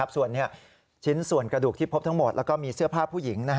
ส่วนชิ้นส่วนกระดูกที่พบทั้งหมดแล้วก็มีเสื้อผ้าผู้หญิง